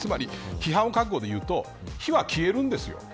批判覚悟で言うと火は消えるんですよ。